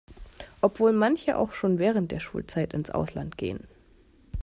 Obwohl manche auch schon während der Schulzeit ins Ausland gehen.